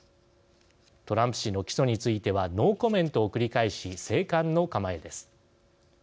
トランプ氏の起訴についてはノーコメントを繰り返し静観の構えです。